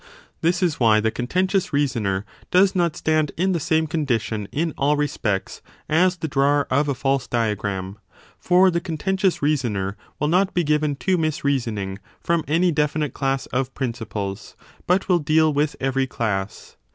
1 This is why the contentious reasoner does not stand in the same condition in all respects as the drawer of a false diagram : for the contentious reasoner will not be given to misreasoning from any definite class of principles, but will deal with every class.